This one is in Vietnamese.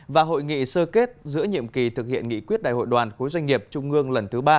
và hội nghị sơ kết giữa nhiệm kỳ thực hiện nghị quyết đại hội đoàn khối doanh nghiệp trung ương lần thứ ba